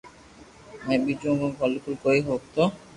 ھين ٻيجو ڪنو بلڪول ڪوئي موگتو